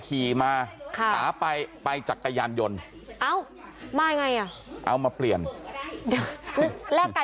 ขี่มาขาไปไปจักรยานยนต์เอ้ามาไงอ่ะเอามาเปลี่ยนเดี๋ยวแลกไก่